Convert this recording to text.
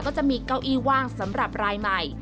เก้าอี้ว่างสำหรับรายใหม่